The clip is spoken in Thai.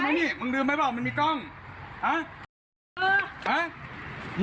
ภายคุณผู้ชมทำงานทั้งแบบแล้วคุณต้องกลับมาล้วนลูกที่คุณอยู่